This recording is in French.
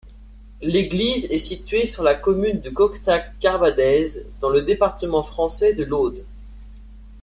L'église est située sur la commune de Cuxac-Cabardès, dans le département français de l'Aude.